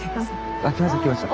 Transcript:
あっ来ました来ました